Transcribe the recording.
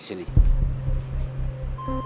istirahat di tempat gerak